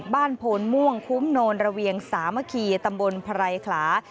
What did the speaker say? บ้านโพนม่วงคุ้มนวลระเวียงสามะคีตำบลพรายขลา